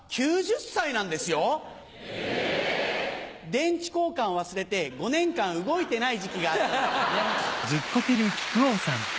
電池交換を忘れて５年間動いてない時期があったんですね。